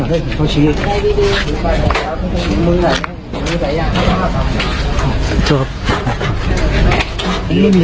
มันมาเสร็งทางนี้ไม่ต้องดูนะคะ